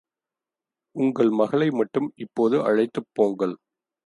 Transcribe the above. உங்கள் மகளை மட்டும் இப்போது அழைத்துப் போங்கள்.